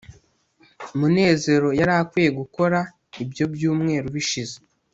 munezero yari akwiye gukora ibyo byumweru bishize